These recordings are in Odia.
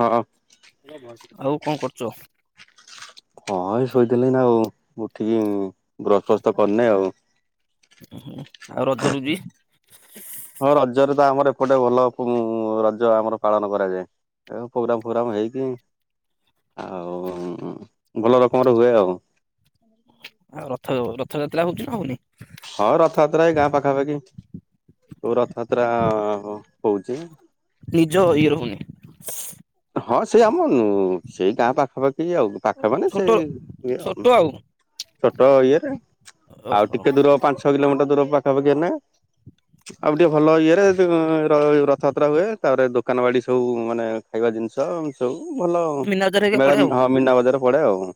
ହଁ ଆଉ କଣ କରୁଛ? ହଁ ଏଇ ଶୋଇଥିଲି ନା ଆଉ ଉଠିକି ବ୍ରସ୍ ଫ୍ରସ୍ ତ କରିନି ଆଉ ଓ ହ ଆଉ ରଜ ରୁଜି? ହଁ ରଜରେ ତ ଆମର ଏପଟେ ଭଲ ରଜ ଆମର ପାଳନ କରାଯାଏ। ଆ ପ୍ରୋଗ୍ରାମ ଫୋଗ୍ରାମ ହେଇକି ଆଉ ଭଲ ରକମର ହୁଏ ଆଉ। ଆଉ ରଥ ରଥଯାତ୍ରା ହଉଛି ନା ହଉନି? ହଁ ରଥଯାତ୍ରା ଏଇ ଗାଁ ପାଖାପାଖି ସୋଉ ରଥଯାତ୍ରା ହଉଛି। ନିଜ ଇଏ ରହୁନି। ହଁ ସେ ଆମନ ସେଇ ଗାଁ ପାଖାପାଖି ଆଉ ପାଖ ମାନେ ସେ ଛୋଟ ଇଏ ଆ ଛୋଟ ଆଉ ଛୋଟ ଇଏରେ ଆଉ ଓହୋ ଟିକେ ଦୂର ପାଞ୍ଚ ଛଅ କିଲୋମିଟର ଦୂର ପାଖାପାଖି ନା ଆଉ ଟିକେ ଭଲ ଇଏରେ ରଥଯାତ୍ରା ହୁଏ ତାପରେ ଦୋକାନ ବାଡି ସବୁ ମାନେ ଖାଇବା ଜିନିଷ ସବୁ ଭଲ ଆଉ ମୀନା ବଜାର ହେରିକା ପଡେ ମେଳା ଆଉ ହଁ ମନା ବଜାର ପଡେ ଆଉ।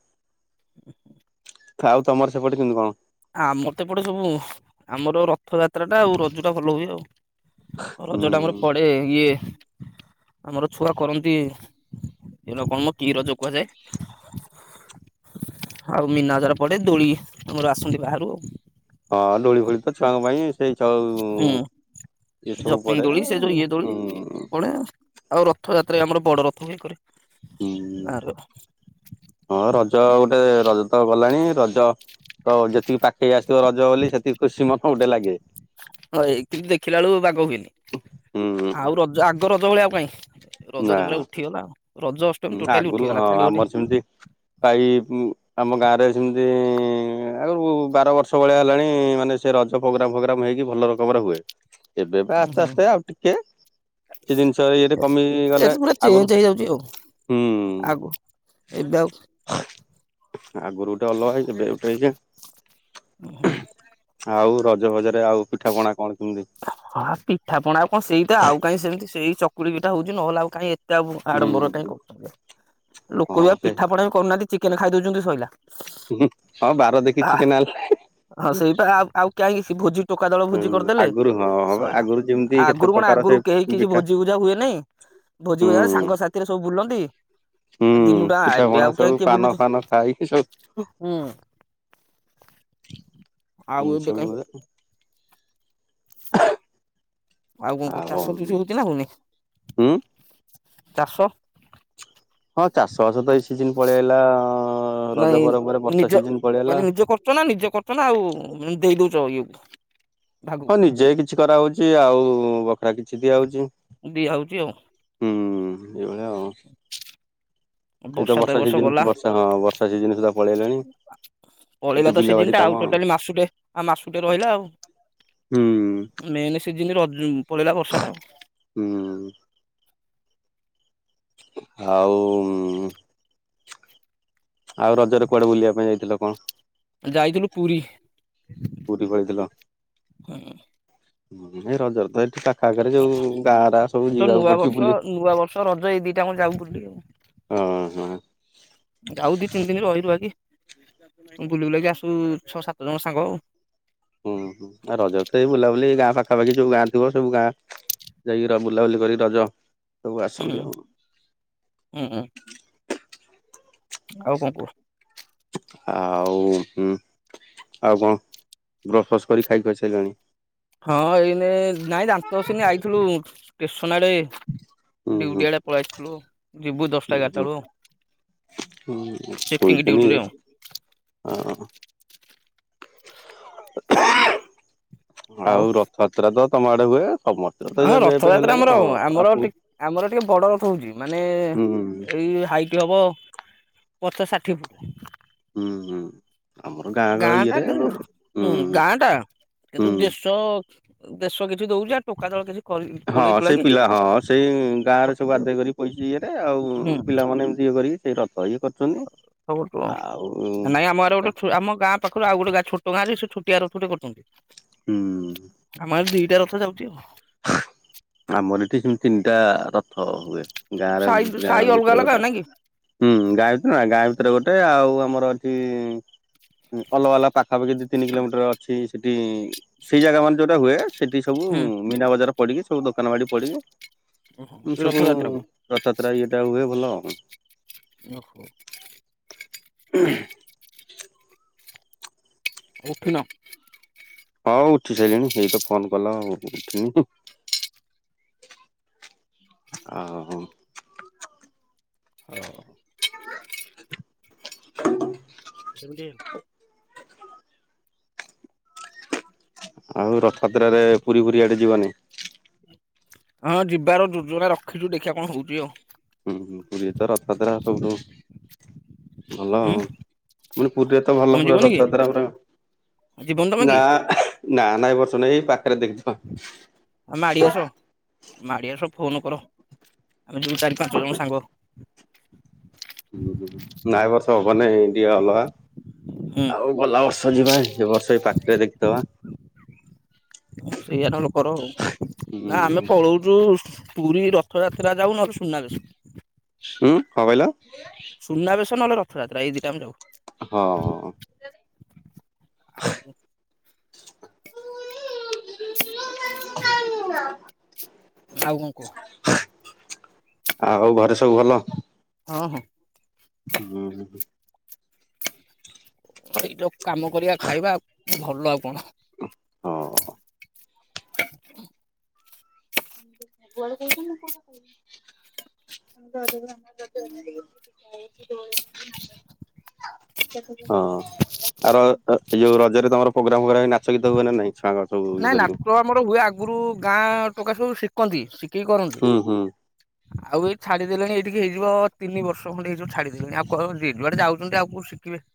[inaudible] ଆଉ ତମର ସେପଟେଛନ୍ତି କଣ? ଆମର ତ ଏପଟେ ସବୁ ଆମର ରଥଯାତ୍ରା ଟା ଆଉ ରଜ ଟା ଭଲ ହୁଏ ଆଉ। ହୁଁ ରଜ ଟା ଆମର ପଡେ ଇଏ ଆମର ଛୁଆ କରନ୍ତି ଏ କଣ ମ କି ରଜ କୁହାଯାଏ? ଆଉ ମନା ଜରା ପଡେ ଦୋଳି ତମର ଆସନ୍ତି ବାହାରୁ ଆଉ ହଁ ଡୋଳି ଫୋଳି ତ ଛୁଆଙ୍କ ପାଇଁ ସେଇ ହୁଁ ଏ ସବୁ ଜପିଙ୍ଗ ପରେଡେ ଦୋଳି ସେ ଯୋଉ ଇଏ ଦୋଳି ହଁ ପଡେ ଆଉ ରଥଯାତ୍ରା ଆମର ବଡ ରଥ ହେଇକରେ ହୁଁ ଆ ହଁ ରଜ ଗୋଟେ ରଜ ତ ଗଲାଣି ରଜ ତ ଯେତିକି ପାଖେଇ ଆସଥିବ ରଜ ବୋଲି ସେତିକି ଖୁସି ମନ ଗୋଟେ ଲାଗେ। ହଁ ଏତି ଦେଖିଲା ବେଳୁ ବାଘ ହୁଏନି। ହୁଁ ହୁଁ। ଆଉ ରଜ ଆଗ ରଜ ଭଳିଆ ପାଇଁ ରଜ ତ ପୁରା ଉଠିଗଲା ରଜ ଅଷ୍ଟମୀ ହଁ ଟୋଟାଲି ଆଗରୁ ଉଠିଗଲା ହଁ ଖାଲି ଗୋଟେ ଆମର ସେମିତି ପାଇଈ ଆମ ଗାଁରେ ସେମିତି ଆଗରୁ ବାର ବର୍ଷ ଭଳିଆ ହେଲାଣି ମାନେ ସେ ରଜ ଫୋଗ୍ରାମ ଫୋଗ୍ରାମ ହେଇକି ଭଲ ରକମରେ ହୁଏ। ଏବେ ବା ଆସ୍ତେ ହୁଁ ଆସ୍ତେ ଆଉ ଟିକେ କିଛି ଜିନିଷ ଇଏରେ କମି ଗଲେ ଏଠି ପୁରା ଆଗରୁ ଚେଞ୍ଜ ହେଇଯାଉଛି ଆଉ ହୁଁ ଆଗ ଏବେ ଆଉ [unintelligible] ହୁଁ ଆଉ ରଜ ଭଜରେ ଆଉ ପିଠା ପଣା କଣ କେମିତି? ହଁ ପିଠା ପଣା ଆଉ କଣ ସେଇଟା ଆଉ କାଇହିଁ ସେମିତି ସେଇ ଚକୁଳି ପିଠା ହଉଛି ନହେଲେ ଆଉ କାଇଁ ହୁଁ ଆଡ଼ମ୍ବର ପାଇଁ କରୁଛନ୍ତି। ଲୋକ ହଁ ବି ଆଉ ସେ ପିଠାପଣା ବି କରୁନାହାନ୍ତି ଚିକେନ ଖାଇଦଉଛନ୍ତି ସଇଲା। ହଁ ବାର ଦେଖିକି ଆ ଚିକେନ୍ ଆଣିଲେ ହଁ ସେଇପା ଆଉ ଆଉ କାହିଁକି ସେ ଭୋଜି ଟୋକା ଦଳ ଭୋଜି କରିଦେଲେ ଆଗରୁ ହଁ ସଇଲା, ଆଗରୁ ଯେମିତି କେତେ ଆଗରୁ କଣ ପ୍ରକାର ସେ ଆଗରୁ କେହି କିଛି ପିଠା ଭୋଜି ଭୁଜା ହୁଏନାହିଁ ଭୋଜି ହୁଁ ଭଜାର ସାଙ୍ଗ ସାଥିରେ ସବୁ ବୁଲନ୍ତି ହୁଁ ଦିନୁଟା ପିଠା ଏବେ ପଣା ଆଉ କିଏ ସବୁ କାଇଁ ପାନ ବୁଲୁଛି। ଫାନ ଖାଇକି ହୁଁ। ଆଉ ହଁ ଏବେ କାଇଁ ସବୁବଳେ, ଓହୋ ଆଉ କଣ କୁହ? ଚାଷ ଚସି ହଉଛି ନା ହଉନି? ହୁଁ ଚାଷ ହଁ ଚାଷ ବାସ ତ ଏଇ ସିଜନ ପଳେଇ ଆଇଲା ରଜ ପରପରେ ବର୍ଷା ସିଜନ ପଳେଇ ଅଇଲା କରଛ ନା ନିଜେ କରୁଛ ନା ଆଉ ଦେଇ ଦଉଛ ଇଏ କୁ? ହଁ ନିଜେ କିଛି କରାହଉଛି ଆଉ ବଖରା କିଛି ଦିଆହଉଛି। ଦିଆହଉଛି ଆଉ, ହୁଁ ଏଭଳିଆ ଆଉ, ଏଇତ ତ ଏ ବର୍ଷା ବର୍ଷ ସିଜିନ୍ ଗଲା ବର୍ଷା ହଁ- ହଁ ବର୍ଷା ସିଜିନ୍ ପଳେଇ ଆଇଲାଣି, ପଳେଇଲା ତ ସିଜିନ୍ ଟା ଆଉ ଟୋଟାଲି ମାସୁଟେ ଆଉ ମାସୁଟେ ରହିଲା। ହୁଁ। ମେନ୍ ସିଜିନ ରଜ ପଳେଇଲା ବର୍ଷାଟା ଆଉ, ହୁଁ। ଆଉ ଆଉ ରଜରେ କୁଆଡେ ବୁଲିବା ପାଇଁ ଯାଇଥିଲ କଣ? ଯାଇଥିଲୁ ପୁରୀ। ପୁରୀ ପଳେଇଥିଲ? ରଜ ତ ଏକା ଆଗରେ ଯୋଉ ଗାଁଗୁଡା ସବୁ ତ ଯିବାକୁ ନୂଆ ପଡୁଛି ବର୍ଷ ବୁଲି, ନୂଆ ବର୍ଷ ରଜ ଏଇ ଦିଟା ଆମେ ଯାଉ ବୁଲି ଆଉ ଓଁ ହଁ। ଆଉ ଦି ତିନି ଦିନ ରହିଲୁ ଆଜି। ବୁଲି ବୁଲାକି ଆସୁ ଛଅ ସାତ ଜଣ ସାଙ୍ଗ ଆଉ, ହୁଁ ହୁଁ, ରଜରେ ତ ଏଇ ବୁଲାବୁଲି ଗାଁ ପାଖାପାଖି ଯୋଉ ଗାଁ ଥିବ ସବୁ ଗାଁ ଯାଇକି ବୁଲାବୁଲି କରି ରଜ ସବୁ ହୁଁ ଆସନ୍ତି ଆଉ -ହୁଁ-ହୁଁ ହୁଁ ଆଉ କଣ କହ? ଆଉ ହୁଁ। ଆଉ କଣ ବ୍ରସ ଫ୍ରସ କରି ଖାଇଖୁଆ ସାରିଲଣି? ହଁ ଏଇନେ ନାଇଁ ଦାନ୍ତ ଘଷିନି ଆଇଥିଲୁ ଷ୍ଟେସନ ଆଡେ ହୁଁ ହୁଁ ଡ୍ୟୁଟି ଆଡେ। କୁଆଡେ ଯାଇଥିଲୁ? ହୁଁ ହୁଁ ହୁଁ ଚେକିଂ ଶୁଇଥିନି ଡ୍ୟୁଟିରେ ଆଉ। ହଁ। ଆଉ ରଥଯାତ୍ରା ତ ତମ ଆଡେ ହୁଏ ସମସ୍ତେ ତ ହଁ ଏବେ ଏବେ ରଥଯାତ୍ରା ହେଲାଣି ଆମର ହଁ ଆମର ଆପୁ ଟିକେ ଆମର ଟିକେ ବଡ ରଥ ହଉଛି ମାନେ ହୁଁ ହୁଁ ଏଇ ହାଇଟ ହବ ପଚାଶ ଷାଠିଏ ଫୁଟ। ହୁଁ ଆମର ଗ ଗାଁ ଟା ଇଏରେ କିନ୍ତୁ ହୁଁ ଗାଁ ଟା କିନ୍ତୁ ହୁଁ ଦେଶ ଦେଶ କିଛି ଦଉଛି ଆ ଟୋକା ଦଳ କିଛି କରି ହଁ ତୋଳେଇ ସେଇ ତୁଳାକି ପିଲା ହଁ ସେଇ ଗାଁ ରେ ସବୁ କରୁଛନ୍ତି ଆଉ ଆଦାୟ କରି ପଇସା ଇଏରେ ଆଉ ପିଲାମାନେ ଏମିତି ଇଏ କରି ଏଇ ରଥ ଏଇ କରି ଖବର କୁହ ନାଇଁ ଆମର ଗୋଟେ ଆମ ଗାଁ ପାଖରୁ ଆଉ ଗୋଟେ ଗାଁ ଛୋଟ ଗାଁରେ ସେ ଛୋଟିଆ ରଥଟେ କରୁଛନ୍ତି। ହୁଁ। ଆମର ଦିଟା ରଥ ଯାଉଛି ଆମର ଏଠି ସେମିତି ତିନିଟା ରଥ ହୁଏ ଗାଁ ର ସାଇ ଗାଁ ସାଇ ଅଲଗା ଭିତରେ ଅଲଗା ଗୋଟେ ନା କି ହୁଁ ଗାଁ ଭିତରେ ନା ଗାଁ ଭିତରେ ଗୋଟେ ଆଉ ଆମର ଏଠି ଭଲ ବାଲା ପାଖାପାଖି ଦି ତିନି କିଲୋମିଟର ଅଛି ସେଠି ସେଇ ଜାଗା ମାନେ ଯୋଉଟା ହୁଏ ସେଠି ସବୁ ମୀନା ବଜାର ପଡିକି ସବୁ ଦୋକାନ ବାଡି ପଡିକି ହୁଁ ସବୁ ରଥଯାତ୍ରାକୁ ରଥଯାତ୍ରା ଇଏଟା ହୁଏ ଭଲ ଆଉ [inaudible] ଉହୁଁ ଉଠିନ ହଉ ଉଠି ସାରିଲିଣି ହେଇ ତ ଫୋନ କଲ ଆଉ ଉଠିନି ଆଉ ହଉ ସେମତି [inaudible] ଆଉ ଆହୁରି ପାଞ୍ଚ ରଥଯାତ୍ରରେ ପୁରୀ ଫୁରୀ ଆଡେ ଯିବନି? ହଁ ଯିବାର ଯୋଜନା ରଖିଛୁ ଦେଖିବା କଣ ହଉଛି ଆଉ ହୁଁ ହୁଁ ପୁରଏ ତ ରଥାତ୍ରା ସବୁଠୁ ଭଲ ଆଉ ଉଁ ମାନେ ପୁରୀରେ ତ ଭଲ ପୁରା ରଥଯାତ୍ରା ପୁରା ଆ ଜୀବନନ୍ଦମା ନା କି ନା ନାଇଁ ବର୍ଛନ ଏଇ ପାଖରେ ଦେଖିଦ ଆ ମାଡିଆସ ମାଡିଆସ ଫୋନ କର ଆମେ ଦୋଉ ଚାରି ପାଞ୍ଚ ଜଣ ସାଙ୍ଗ ହୁଁ ହୁଁ ନାଇଁ ବଷବନ ଏଇ ଦିଆ ହଲ ହୁଁ ଆଉ ଗଲା ବର୍ଷ ଯିବା ଏ ବର୍ଷ ଏ ପାଖରେ ଦେଖିଦବା ସେଇଆାର ଲୋକର ଆଉ ହୁଁ ନା ଆମେ ପଳଉଛୁ ପୁରୀ ରଥଯାତ୍ରା ଯାଉନଲେ ସୁନାବେେଶ ହୁଁ ହଁ କହିଲ ସୁନାବେେଶ ନେଲେ ରଥଯାତା ଏ ଦିଟାେ ଯାଉ ହଁ ଆଉ ନ ନା ଆଉ କଣ କହ ଆଉ ଘରେ ସବୁ ଭଲ ହଁ ହଁ ହୁଁ ହୁଁ ହୁଁ ଏଇଟୋ କାମ କରିବା ଖାଇବା ଭଲ ଆଉ କଣ ହଁ [inaudible] ୁଆଡ କହିଛି ନ କ କ ା ହ ଆର ଯୋଉ ରଜରେ ତମର ପ୍ରୋଗ୍ରାମ ଫୋଗ୍ରାମ ନାଚ ଗୀତ ହୁଏନାଇଁଛଆଁ କ ନାଇଁ ନାଟ ଆମର ହୁଏ ଆଗରୁ ଗାଁ ଟକାା ସବୁ ଶିଖନ୍ତି ଶିଖେଇକି କରନ୍ତି ହୁଁ ହୁଁ ଆଉ ଏଇ ଛାଡିଦେଲେଣି ଏଇଠିକି ହେଇଯିବ ତିନି ବର୍ଷ ଖଣ୍ଡେ ହେଇଯିବ ଛାଡିଦେଲେଣି ଆଉ କଣ ଯ ଯୁଆଡେ ଯାଉଛନ୍ତି ଆଉ ଶିଖିବେ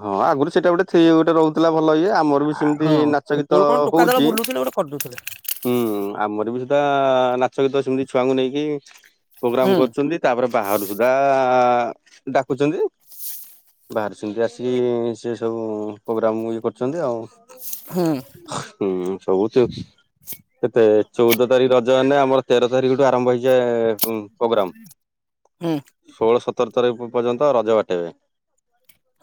ହଁ ଆଗରୁ ସେଇଟା ଗୋଟେ ଗୋଟେ ରହୁଥିଲା ଭଲ ଇଏ ଆମର ବି ସେମିତି ନାଚ ଗୀତ ହଉଛି କରିଦୁଥିଲେ ହୁଁ ଆମର ବି ସେଟା ନାଚ ଗୀତ ସେମିତି ଛୁଆଙ୍କୁ ନେଇକି ହୁଁ ପ୍ରୋଗ୍ରାମ କରୁଛନ୍ତି ତାପରେ ବାହାରୁ ସୁଧା ଡାକୁଛନ୍ତି ବାହାରୁ ସେମିତି ଆସିକି ସେ ସବୁ ପ୍ରୋଗ୍ରାମ ଇଏ କରୁଛନ୍ତି ଆଉ ହୁଁ ହୁଁ ସବୁଛି କେତେ ଚଉଦ ତାରିଖ ରଜ ହେନେ ଆମର ତେର ତାରିଖରୁ ଆରମ୍ଭ ହେଇଯାଏଁ ହୁଁ ପ୍ରୋଗ୍ରାମ ଷୋହଳ ସତର ତାରିଖ ପର୍ଯ୍ୟନ୍ତ ରଜ ବାଟେଇବେ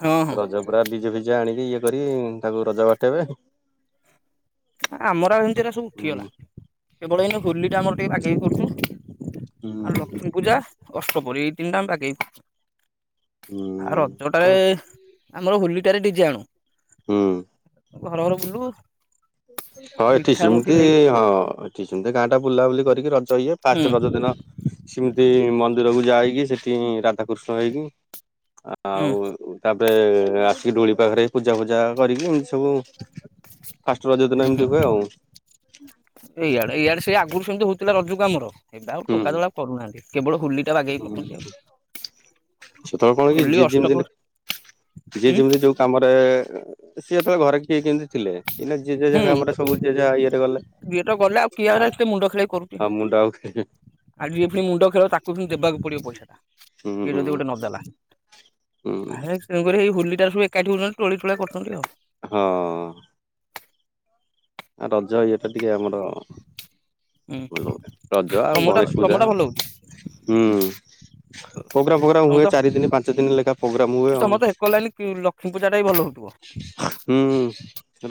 ହଁ ହଁ ରଜ ପୁରା ଡିଜେ ଫିଜା ଆଣିକି ଇଏ କର ତାକୁ ରଜ ବାଟେଇବେ। ଆମର ଏମତିରା ସବୁ ଉଠିଗଲା କେବଳ ଏଇ ହୋଲି ଟା ଆମର ଟିକେ ବାଗେଇ କରୁଚୁ। ଆଉ ହୁଁ ଲକ୍ଷ୍ମୀ ପୂଜା ଅଷ୍ଟପରୀ ଏଇ ତିନିଟା ବାଗେଇ ହୁଁ ଆର। ଜୋଟାରେ ଆମର ହୋଲିଟାରେ ଡିଜେ ଆଣୁ ହୁଁ। ଘର ଘର ବୁଲୁ। ହଁ ଏଠି ମିଠା ମୁଠି ସିମିତି ନେଇ ହଁ ଏଠି ସେମିତି ଗାଁ ଟା ବୁଲାବୁଲି କରିକି ରଜ ଇଏ। ହୁଁ କାଷ୍ଟ ରଜ ଦିନ ସେମିତି ମନ୍ଦିରକୁ ଯାଇକି ସେଠି ରାଧାକୃଷ୍ଣ ହେଇକି ହୁଁ ଆଉ ତାଧେ ଆସିକି ଡୋଳି ପାଖରେ ପୂଜା ଫୂଜା କରିକି ଏମିତି ସବୁ ଫାଷ୍ଟ ରଜ ଦିନ ହୁଁ ହୁଁ ଏମିତି ହୁଏ ଆଉ। ଏଇଆଡେ ଇଆଡେ ସେ ଆଗରୁ ସେମତି ହଉଥିଲା ରଜ କୁ ଆମର ଏବେ ଆଉ ହୁଁ ଟୋକା ଦୋଳ କରୁନାହାନ୍ତି କେବଳ ହୁଲି ଟା ବାଗେଇ ହୁଁ। କଚନ୍ତି ଆଉ। [unintelligible] କଣ କି ହୋଲି ଯେଏ ଯେମିତି ଏନେ ଅଷ୍ଟପହରି ଯେଏ ହୁଁ ଯେମିତି ଯୋଉ କାମରେ ସିଏ ଏତେଏଳେ ଘରେ କିଏ କେମତି ଥିଲେ।। ଇନା ଜେ ଜେଝା କାମରେ ସବୁ ଜେ ଯା ଇଏରେ ଗଲେ। ଦିଏତ ଗଲେ ଆଉ କିଆରାତେ ମୁଣ୍ଡ ଖେଳେଇକି କରୁଚି। ଆଉ ମୁଣ୍ଡ ଆଉ ଆଉ ଯିଏଫି ମୁଣ୍ଡ ଖେଳ ତାକୁ ବି ଦେବାକୁ ପଡିବ ପଇସା। ହୁଁ କିଏ ହୁଁ ଯଦି ଗୋଟେ ନଦେଲା ହଁ। ହେ ତେଣୁକରି ଏଇ ହୋଲିଟାରେ ସବୁ ଏକାଠିଉଛନ୍ତି ତୋଳି ତୋଳା କରୁଚନ୍ତି ଆଉ। ହଁ। ଆ ରଜ ଇଏଟା ଟିକେ ଆମର ହୁଁ ଭଲ ହୁଏ ରଜ ଆଉ ତମଟା ଗଣେଶ ପୂଜା ତମଟା ଭଲ ହଉଛି ହୁଁ। ପୋଗ୍ରା ଫୋଗ୍ରା ହୁଏ ଚାରି ଦିନି ପାଞ୍ଚ ଦିନି ଲେଖା ପ୍ରୋଗ୍ରାମ ହୁଏ। ଆଉ ତମର ତ ହେକଡ ଲାଇନ୍ କି ଲ କ୍ଷ୍ମି ପୂଜାଟା ବି ଭଲ ହଉଥିବ। ହୁଁ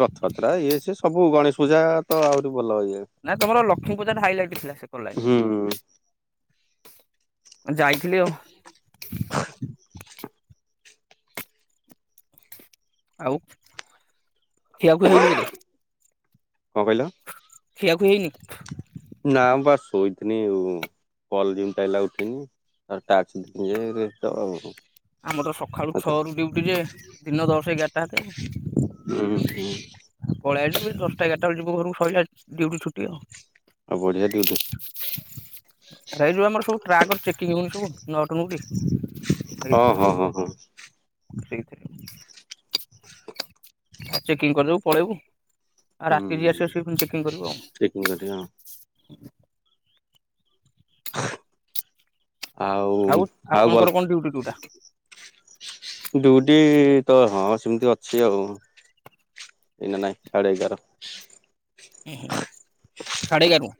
ରଥଆତ୍ରା ଇଏ ସେ ସବୁ ଗଣେଶ ପୂଜା ତ ଆହୁରି ଭଲ ଇଏ। ନା ତମର ଲକ୍ଷ୍ମୀ ପୂଜା ଟା ହାଇଲାଇଟ ଥିଲା ସେକଡ ହୁଁ ଲାଇନରେ। କଣ ଯାଇଥିଲି ଆଉ। ଆଉ ଖିଆ ଖୁଈ ହେଇନି ବୋଧେ। ଙ୍କ କଇଲ। ଖିଆ ଖୁଇ ହେଇନି। ନା ମୁଁ ବା ଶୋଇଥିନି ଉ କଲ ଜିମତିି ଆଇଲା ଉଠିନି ତାରେ ଆ ଟଚ [unintelligible] ଆମର ସଖାଳୁ ଛଅ ରୁ ଡିଉଟି ଯେ ଦିନ ଦଶ ଏଗାରଟା ହାତେ। ହୁଁ ହୁଁ। ପଳେଇ ଆଇଲୁ ଏ ଦଶଟା ଏଗାରାଏଳେ ଯିବୁ ଘରକୁ ଶଇଲା ଡିଉଟି ଛୁଟି ଆଉ। ଆ ବଢିଆ ଡିଉଟି। ରେ ରୁ ଆମର ସବୁ ଟ୍ରାକ ଚେକିଂ ହଉନି ସବୁ ନଟ ନୁଟି ହେଇଥିରେ ଆଉ। ଓଁ ହୋ। ସେଇଥିରେ। ଆ ଚେକିଂ କରଦବୁ ପଳେଇବୁ ଆ ରାତି ଯିଏ ଆସିବ ସିଇ ଫୁଣି ଚେକିଂ କରିବ ଆଉ। ହୁଁ ବଢ଼ିଆ ଆଉ। ଆଉ ଆଉ ଆପଣଙ୍କର ଗଲା କଣ ଡ୍ୟୁଟି ଡ୍ୟୁଟା ଡିଉଟି ତ ହଁ ସେମିତି ଅଛି ଆଉ। ଏନା ନାଇଁ ସାଢ଼େ ଏଗାର। ଉଁ ହୁଁ ସାଢ଼େ ଏଗାରୁ।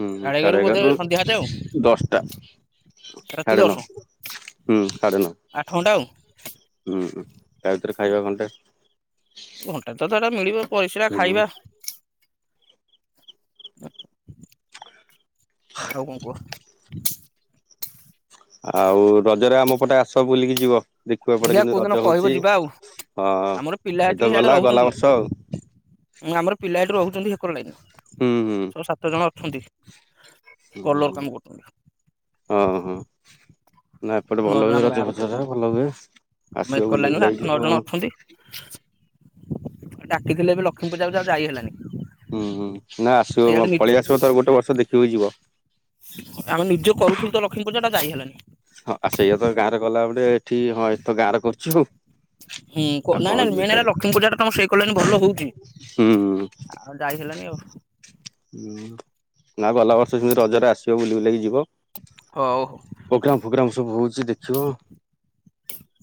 ହୁଁ ସାଢେ ଏଗାର ରୁ ଦଶଟା। ରାତି ସଢେ ନ ଦଶ। ହୁଁ ସଢ଼େ ନ। ଆଠ ଘଣ୍ଟା ଆଉ ହୁଁ ତା ଭିତରେ ଖାଇବା ଘଣ୍ଟେ। ଘଣ୍ଟା ତ ଏଟା ମିଳିବ ପରିସ୍ରା ହୁଁ ଖାଇବା। ଆଉ କଣ କୁହ। ଆଉ ରଜରେ ଆମ ପଟେ ଆସ ବୁଲିକି ଯିବ। ଦେଖିବ ଏପଟେ ଦେଖିବା କେମତି କୋଉଦିନ ରଜ କହିବ ହଉଚି ଯିବା ଆଉ। ହଁ ଆମର ପିଲା ଏଠି ଏତ ସିଆଡେ ଗଲା ଗଲା ରହୁଛନ୍ତି ବର୍ଷ ଆଉ। ଆମର ପିଲା ଏଠି ରହୁଛନ୍ତି ହେକର ଲାଇନ। ହୁଁ ହୁଁ। ଛ ସାତ ଜଣ ଅଛନ୍ତି। କଲର କାମ କରୁଛନ୍ତି। ହଁ ହଁ ହଁ। ନା ଆଠ ଏପଟେ ନଅ ଭଲ ଜଣ ହୁଏ ଆମ ରଜ ଗାଁରୁ ଫଜରା ଭଲ ହୁଏ ଆମ ଆସିବ ଏକର ବୁଲି ଲାଇନରୁ ଆଠ ବୁଲାକି ନଅ ଯିବ। ଜଣ ଅଛନ୍ତି ଡାକିଥିଲେ ଏବେ ଲକ୍ଷ୍ମୀ ପୁଜା କୁ ଯେ ଆଉ ଯାଇ ହେଲାନି। ହୁଁ ହୁଁ ନା ଆସିବ ମ ଇଆଡେ ନି ପଳେଇ ଆସିବ ଗୋଟେ ଥ ଗୋଟେ ବର୍ଷ ଦେଖିକି ଯିବ। ଆମେ ନିଜେ କରୁଥିଲୁ ତ ଲକ୍ଷ୍ମୀ ପୁଜା ଟା ଯାଇ ହେଲାନି। ହଁ ଆ ସେଇଆ ତ ଗାଁରେ କଲା ଗଟେ ଏଠି ହଁ ଏଟିତ ଗାଁରେ କରୁଚୁ ଆଉ। ହୁଁ କୋ ନାଇଁ କଣ ନାଇଁ ଯିବୁ ମେନ୍ ହେଲା ସିଆଡେ ଲକ୍ଷ୍ମୀ ପୂଜା ଟା ତମର ସେଇ [unintelligible] ଭଲ ହୋଉଛି। ହୁଁ। ଆଉ ଯାଇ ହେଲାନି ଆଉ। ହୁଁ ନା ଗଲା ବର୍ଷ ସେମିତି ରଜରେ ଆସିବ ବୁଲି ବୁଲିକି ଯିବ। ହୋଉ ହୋ ପୋଗ୍ରାମ ଫୋଗ୍ରାମ ସବୁ ହୋଉଛି ଦେଖିବ।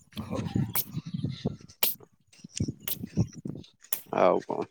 ହୋଉ। ଆଉ କଁ